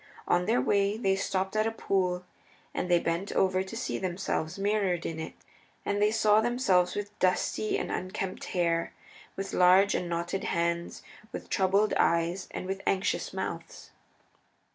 On their way they stopped at a pool and they bent over to see themselves mirrored in it, and they saw themselves with dusty and unkempt hair, with large and knotted hands, with troubled eyes, and with anxious mouths.